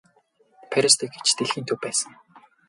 Парис тэгэхэд ч дэлхийн төв байсан.